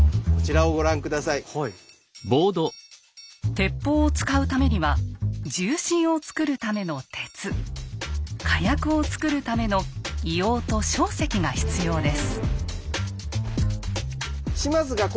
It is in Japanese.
鉄砲を使うためには銃身を作るための「鉄」火薬を作るための「硫黄」と「硝石」が必要です。